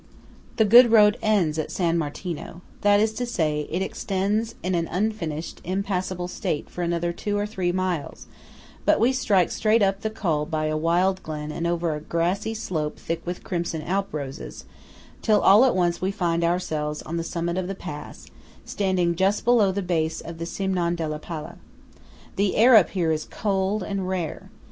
The good road ends at San Martino; that is to say, it extends in an unfinished, impassable state for another two or three miles; but we strike straight up the Col by a wild glen and over a grassy slope thick with crimson Alp roses, till all at once we find ourselves on the summit of the pass, standing just below the base of the Cimon della Pala. The air up here is cold and rare.